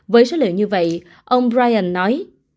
với số liệu như vậy ông ryan nói